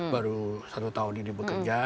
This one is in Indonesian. baru satu tahun ini bekerja